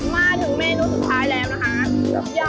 มาถึงเมนูสุดท้ายแล้วนะคะ